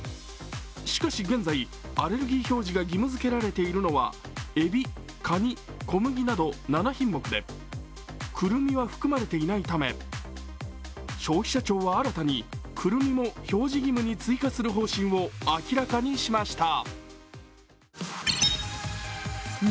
しかし、現在、アレルギー表示が義務づけられているのはえび、かに、小麦など７品目でくるみは含まれていないため、消費者庁は新たにくるみも表示義務に追加する方針を明らかにしました。